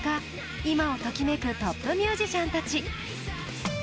今を時めくトップミュージシャンたち。